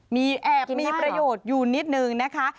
มีแอบมีประโยชน์อยู่นิดนึงนะคะ